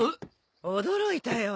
驚いたよ